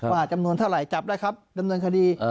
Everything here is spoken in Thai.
ว่าจำนวนเท่าไหร่จับได้ครับดำเนินคดี